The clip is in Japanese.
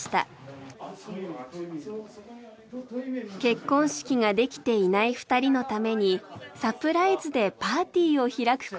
結婚式ができていない２人のためにサプライズでパーティーを開くことに。